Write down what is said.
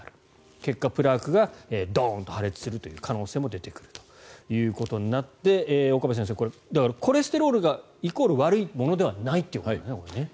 結果、プラークがドーンと破裂するという可能性も出てくるということになって岡部先生、だからコレステロールがイコール悪いものではないということですね。